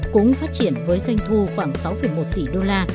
cũng phát triển với doanh thu khoảng sáu một tỷ đô la